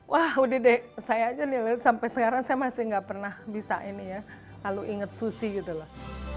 wah udah deh saya aja nih sampai sekarang saya masih nggak pernah bisa ini ya lalu inget susi gitu loh